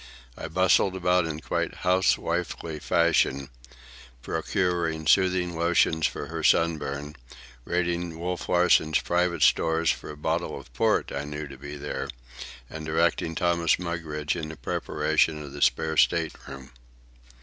I bustled about in quite housewifely fashion, procuring soothing lotions for her sunburn, raiding Wolf Larsen's private stores for a bottle of port I knew to be there, and directing Thomas Mugridge in the preparation of the spare state room.